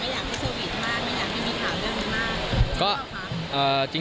ไม่อยากที่สวีทมากไม่อยากที่มีข่าวเรื่องนี้มาก